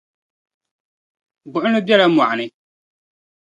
Gbuɣinli bela mɔɣu ni.